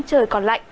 trời còn lạnh